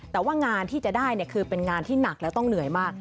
แต่ว่างานที่จะได้คือเป็นงานที่หนักและต้องเหนื่อยมาก